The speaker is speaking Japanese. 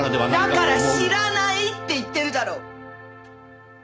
だから知らないって言ってるだろ！